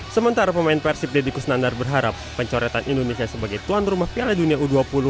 sementara pemain persib deddy kusnandar berharap pencoretan indonesia sebagai tuan rumah piala dunia u dua puluh